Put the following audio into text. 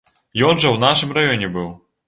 Ён жа ў нашым раёне быў.